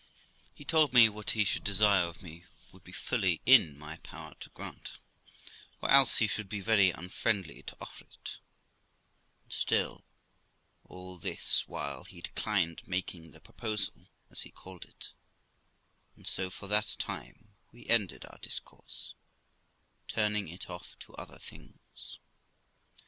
He told me what he should desire of me would be fully in my power to grant, or else he should be very unfriendly to offer it ; and still, all this while, he declined making the proposal, as he called it, and so for that time we ended our discourse, turning it off to other things.